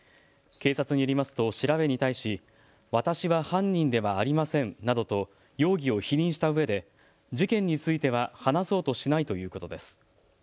警察によりますと調べに対し私は犯人ではありませんなどと容疑を否認したうえで事件については話そうとしないということです。